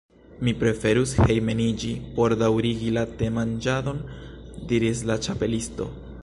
« Mi preferus hejmeniĝi por daŭrigi la temanĝadon," diris la Ĉapelisto.